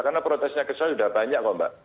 karena protesnya kesal sudah banyak kok mbak